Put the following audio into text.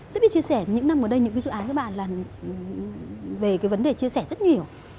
rất biết chia sẻ những năm qua đây những dự án các bạn về vấn đề chia sẻ rất nhiều